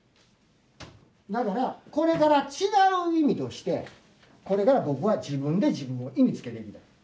だからこれから違う意味としてこれから僕は自分で自分の意味つけていくねん。